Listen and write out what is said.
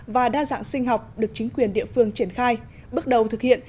và đa dạng sinh học được chính quyền địa phương triển khai bước đầu thực hiện